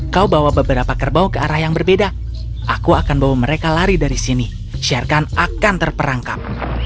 kau bawa beberapa kerbau ke arah yang berbeda aku akan bawa mereka lari dari sini sherkan akan terperangkap